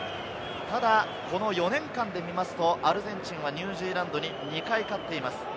ただこの４年間で見ると、アルゼンチンはニュージーランドに２回勝っています。